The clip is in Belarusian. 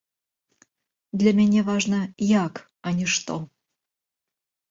Для мяне важна як, а не што.